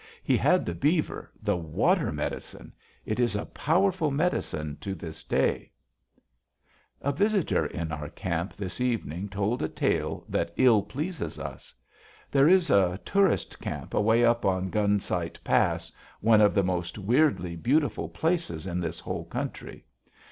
He had the beaver the water medicine! It is a powerful medicine to this day!" A visitor in our camp this evening told a tale that ill pleases us. There is a tourist camp away up in Gun Sight Pass, one of the most weirdly beautiful places in this whole country.